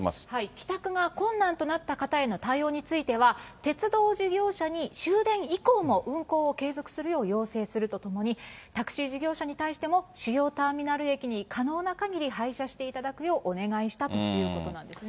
帰宅が困難となった方への対応については、鉄道事業者に終電以降も運行を継続するよう要請するとともに、タクシー事業者に対しても主要ターミナル駅に可能なかぎり配車していただくようお願いしたということなんですね。